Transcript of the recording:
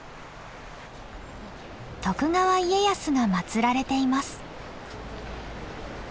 徳川家康が祭られています。